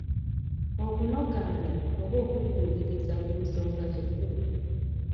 Okunogaanya oba okujjuuliriza ku nsonga kikulu.